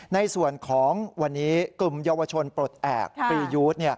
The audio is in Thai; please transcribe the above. ในส่วนของวันนี้กลุ่มเยาวชนปลดแอบฟรียูด